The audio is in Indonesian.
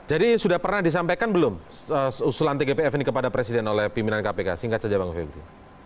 jadi sudah pernah disampaikan belum usulan tgpf ini kepada presiden oleh pimpinan kpk singkat saja bang fikri